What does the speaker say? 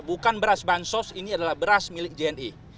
bukan beras bahan sos ini adalah beras milik jni